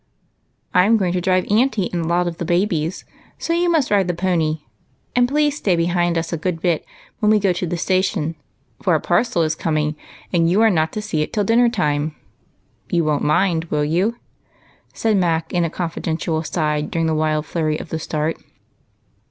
" I 'm going to drive aunty and a lot of the babies, so you must ride the pony. And please stay behind us a good bit when we go to the station, for a parcel is coming, and you are not to see it till dinner time. You won't mind, will you ?" said Mac in a confi dential aside during the wild flurry of the start.